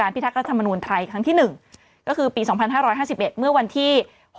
พิทักษ์รัฐมนูลไทยครั้งที่๑ก็คือปี๒๕๕๑เมื่อวันที่๖